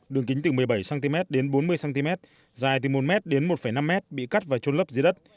đường kính từ một mươi bảy cm đến bốn mươi cm dài từ một m đến một năm m bị cắt và trôn lấp dưới đất